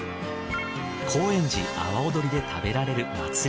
高円寺阿波おどりで食べられる祭り